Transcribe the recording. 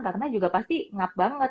karena juga pasti ngap banget